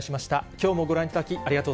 きょうもご覧いただき、ありがと